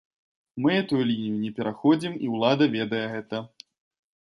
Мы гэтую лінію не пераходзім і ўлада ведае гэта.